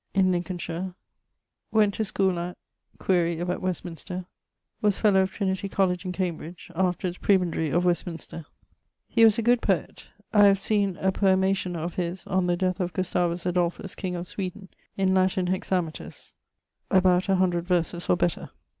in Lincolnshire, went to schoole at ... (quaere if at Westminster); ..., was fellow of Trinity College in Cambridge; afterwards prebendary of Westminster. He was a good poet. I have seen a poemation of his on the death of Gustavus Adolphus, king of Sweden, in Latin hexameters, about 100 verses or better.